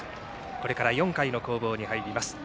これから４回の攻防に入ります。